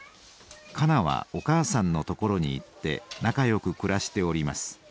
香菜はお母さんの所に行ってなかよく暮らしております。